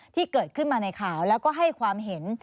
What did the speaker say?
ที่เกิดขึ้นมาในข่าวแล้วก็ให้ความเห็น